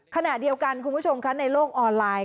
ขณะเดียวกันคุณผู้ชมคะในโลกออนไลน์